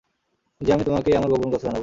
যে আমি তোমাকে আমার গোপন কথা জানাবো।